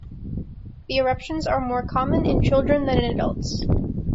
The eruptions are more common in children than in adults.